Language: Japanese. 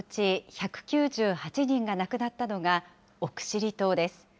このうち１９８人が亡くなったのが、奥尻島です。